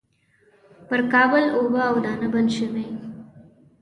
پر کابل اوبه او دانه بنده شوې.